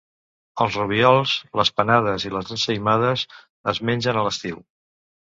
Els rubiols, les panades i les ensaïmades es mengen a l'estiu.